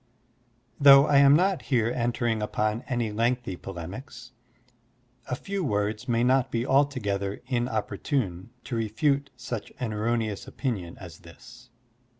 Though I am not here entering upon any lengthy polemics, a few words may not be altogether inopporttme to refute such an erroneous opinion as this.